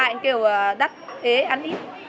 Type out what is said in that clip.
ai cũng kêu là đắt ế ăn ít